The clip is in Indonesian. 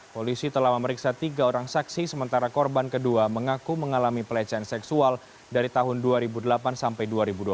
polisi telah memeriksa tiga orang saksi sementara korban kedua mengaku mengalami pelecehan seksual dari tahun dua ribu delapan sampai dua ribu dua belas